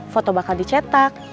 foto bakal dicetak